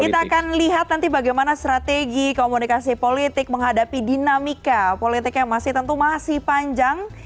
kita akan lihat nanti bagaimana strategi komunikasi politik menghadapi dinamika politik yang masih tentu masih panjang